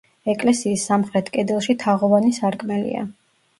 ეკლესიის სამხრეთ კედელში თაღოვანი სარკმელია.